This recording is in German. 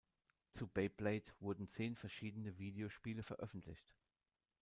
Zu Beyblade wurden zehn verschiedene Videospiele veröffentlicht.